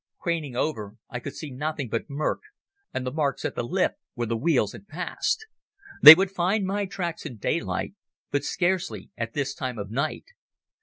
Craning over I could see nothing but murk, and the marks at the lip where the wheels had passed. They would find my tracks in daylight but scarcely at this time of night.